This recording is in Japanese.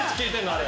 あれ。